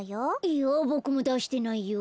いやぼくもだしてないよ。